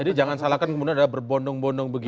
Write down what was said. jadi jangan salahkan kemudian ada berbondong bondong begini